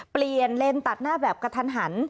เปลี่ยนเลนส์ตัดหน้าแบบกระทันหัน